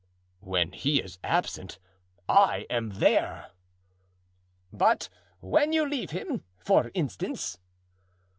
"When he is absent I am there." "But when you leave him, for instance?"